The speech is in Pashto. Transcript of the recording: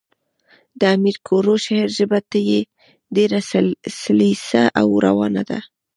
د امیر کروړ شعر ژبه ئي ډېره سلیسه او روانه ده.